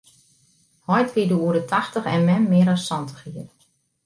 Heit wie doe oer de tachtich en mem mear as santich jier.